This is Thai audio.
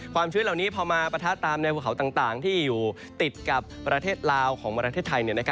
ชื้นเหล่านี้พอมาปะทะตามแนวภูเขาต่างที่อยู่ติดกับประเทศลาวของประเทศไทย